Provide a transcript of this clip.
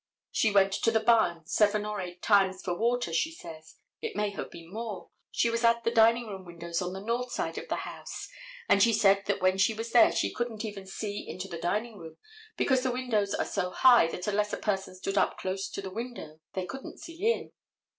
She went to the barn seven or eight times for water, she says: it may have been more. She was at the dining room windows on the north side of the house; and she said that when she was there she couldn't even see into the dining room, because the windows are so high that unless a person stood up close to the window they couldn't see in.